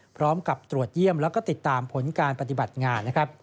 พร้อมกับตรวจเยี่ยมแล้วก็ติดตามผลการปฏิบัติงานนะครับ